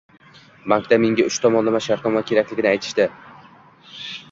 Bankda menga uch tomonlama shartnoma kerakligini aytishdi